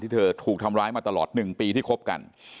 เธอถูกทำร้ายมาตลอด๑ปีที่คบกัน